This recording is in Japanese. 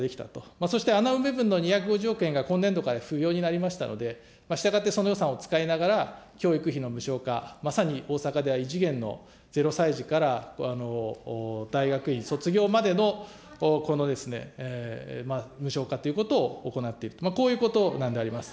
そして穴埋め分の２５０億円分が今年度から不要になりましたので、したがってその予算を使いながら、教育費の無償化、まさに大阪では異次元の０歳児から大学院卒業までのこの無償化ということを行っていると、こういうことなんであります。